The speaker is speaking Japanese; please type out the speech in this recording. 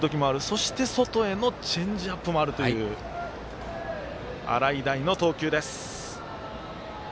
そして、外へのチェンジアップもあるという洗平の投球です。